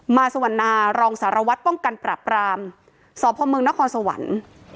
มาสวรรณารองสารวัตรป้องกันปรับรามสพมนครสวรรค์